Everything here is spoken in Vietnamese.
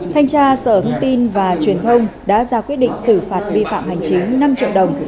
thanh tra sở thông tin và truyền thông đã ra quyết định xử phạt vi phạm hành chính năm triệu đồng